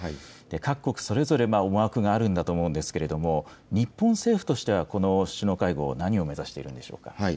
各国それぞれ思惑があるんだと思うんですけれども、日本政府としてはこの首脳会合、何を目指しているんでしょうか。